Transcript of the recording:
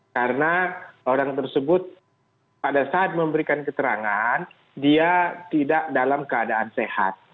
karena orang tersebut pada saat memberikan keterangan dia tidak dalam keadaan sehat